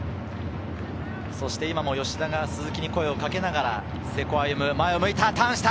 そして今も吉田が鈴木に声をかけながら瀬古歩夢、前を向いた、ターンした。